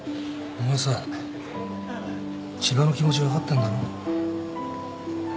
お前さ千葉の気持ち分かってんだろ？